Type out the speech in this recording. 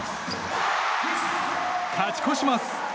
勝ち越します！